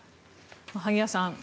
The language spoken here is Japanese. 萩谷さん